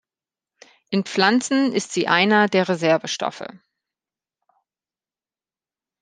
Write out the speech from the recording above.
In Pflanzen ist sie einer der Reservestoffe.